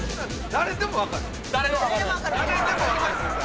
誰でも分かる問題。